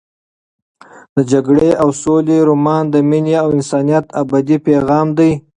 د جګړې او سولې رومان د مینې او انسانیت ابدي پیغام دی.